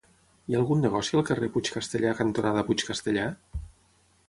Hi ha algun negoci al carrer Puig Castellar cantonada Puig Castellar?